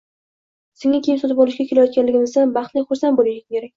senga kiyim sotib olishga ketayotganligimizdan baxtli-xursand bo‘lishing kerak.